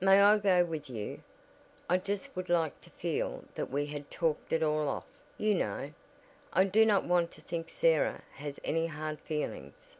"May I go with you? I just would like to feel that we had talked it all off, you know. I do not want to think Sarah has any hard feelings."